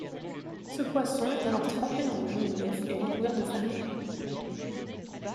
Ce poisson est alors trempé dans du jaune d'œuf et recouvert de farine.